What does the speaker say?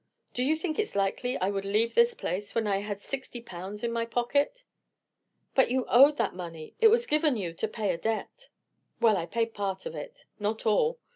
Do you think it's likely I would leave this place when I had sixty pounds in my pocket?" "But you owed that money; it was given you to pay a debt." "Well, I paid part of it—not all.